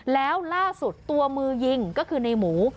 แล้วล่าสุดตัวมือยิงก็คือในหมู